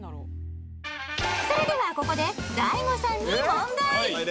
それではここでＤＡＩＧＯさんに問題！